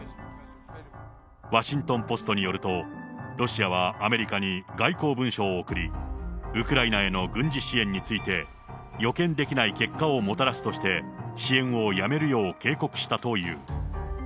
ワシントン・ポストによると、ロシアはアメリカに外交文書を送り、ウクライナへの軍事支援について、予見できない結果をもたらすとして、支援をやめるよう警告したという。